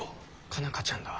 佳奈花ちゃんだ。